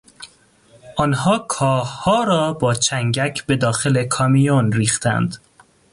آنها کاهها را با چنگک به داخل کامیون ریختند.